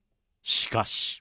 しかし。